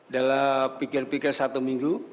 dalam pikir pikir satu minggu